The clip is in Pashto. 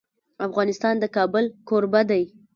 افغانستان د کابل کوربه دی.